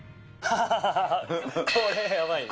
これやばいね。